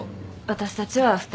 私たちは２人。